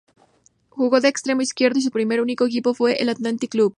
Jugó de extremo izquierdo y su primer y único equipo fue el Athletic Club.